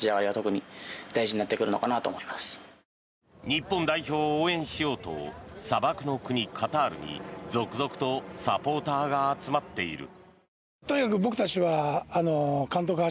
日本代表を応援しようと砂漠の国、カタールに続々とサポーターが集まっている。